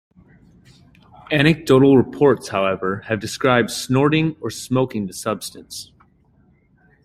Anecdotal reports, however, have described snorting or smoking the substance.